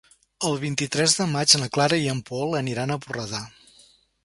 El vint-i-tres de maig na Clara i en Pol aniran a Borredà.